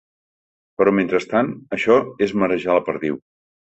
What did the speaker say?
Però, mentrestant, això és marejar la perdiu.